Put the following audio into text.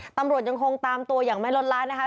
ตำรวจงคงตามตัวอย่างไม่ล้มเลาฟ่า